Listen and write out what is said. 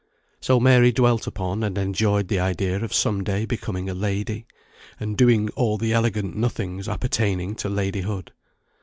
So Mary dwelt upon and enjoyed the idea of some day becoming a lady, and doing all the elegant nothings appertaining to ladyhood.